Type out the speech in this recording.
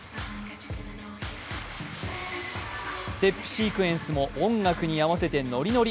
ステップシークエンスも音楽に合わせてノリノリ。